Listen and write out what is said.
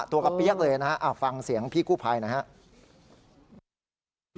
ตัวก็เปรี้ยกเลยนะฮะฟังเสียงพี่กู้ภัยนะฮะ